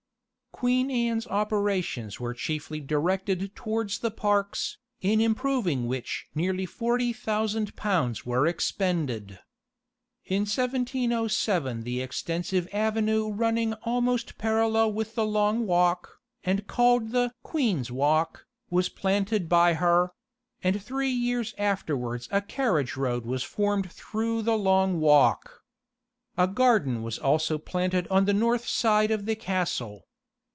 Queen Anne's operations were chiefly directed towards the parks, in improving which nearly 40,000 pounds were expended. In 1707 the extensive avenue running almost parallel with the Long Walk, and called the "Queen's Walk," was planted by her; and three years afterwards a carriage road was formed through the Long Walk. A garden was also planned on the north side of the castle.